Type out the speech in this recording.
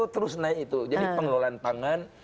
terus naik itu jadi pengelolaan pangan